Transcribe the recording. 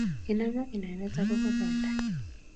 Kinamaak inendet agoba banda